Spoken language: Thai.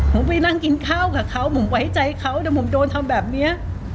ผมไปนั่งกินข้าวกับเขาผมไว้ใจเขาเดี๋ยวผมโดนทำแบบนี้